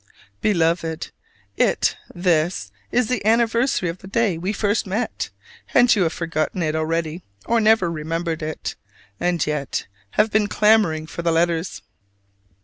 Beloved, it this is the anniversary of the day we first met; and you have forgotten it already or never remembered it: and yet have been clamoring for "the letters"!